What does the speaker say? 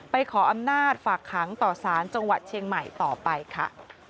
ขออำนาจฝากขังต่อสารจังหวัดเชียงใหม่ต่อไปค่ะ